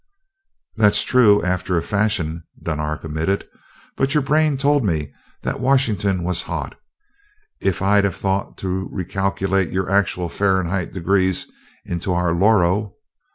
"That's true, after a fashion," Dunark admitted, "but your brain told me that Washington was hot. If I'd have thought to recalculate your actual Fahrenheit degrees into our loro ...